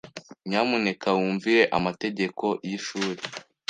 Nyamuneka wumvire amategeko y'ishuri.